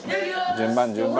「順番順番」